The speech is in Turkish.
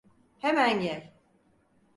Hemen gel!